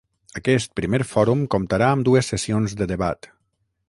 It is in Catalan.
Aquest primer fòrum comptarà amb dues sessions de debat.